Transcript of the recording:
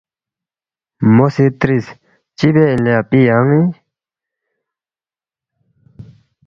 مو سی ترِس، چِہ بے اِن لے اپی یان٘ی؟